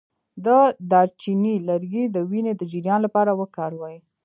د دارچینی لرګی د وینې د جریان لپاره وکاروئ